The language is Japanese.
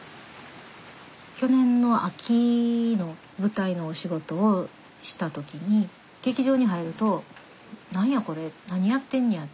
去年の秋の舞台のお仕事をした時に劇場に入ると「何やこれ？何やってんねや？」